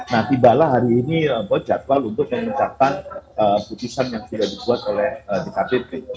nah tiba lah hari ini buat jadwal untuk mencapai putusan yang sudah dibuat oleh dkpp